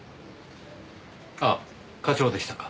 ああ課長でしたか。